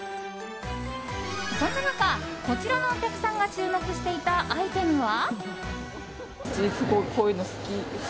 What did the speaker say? そんな中、こちらのお客さんが注目していたアイテムは。